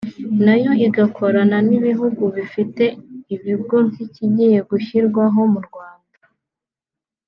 nayo igakorana n’ibihugu bifite ibigo nk’ikigiye gushyirwaho mu Rwanda